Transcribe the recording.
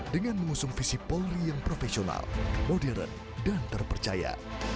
dengan mengusung visi polri yang profesional modern dan terpercaya